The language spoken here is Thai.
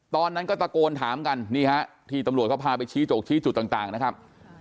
ตอนนั้นก็ตะโกนถามกันนี่ฮะที่ตำรวจเขาพาไปชี้จกชี้จุดต่างนะครับ